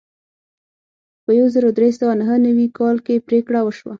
په یو زر درې سوه نهه نوي کال کې پریکړه وشوه.